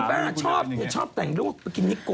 อีแปลงอ่ะชอบชอบแต่งดุ้งไปกินนิโกน